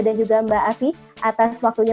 dan juga mbak afi atas waktunya